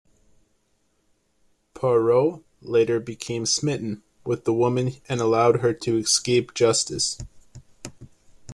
Poirot later became smitten with the woman and allowed her to escape justice.